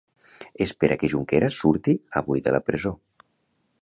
Espera que Junqueras surti avui de la presó.